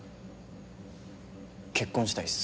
結婚したいっす。